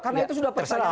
karena itu sudah pertanyaan